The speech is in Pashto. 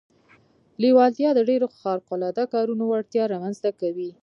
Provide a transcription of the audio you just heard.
لېوالتیا د ډېرو خارق العاده کارونو وړتیا رامنځته کوي